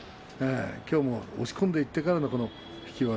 きょうも押し込んでいってからの引き技。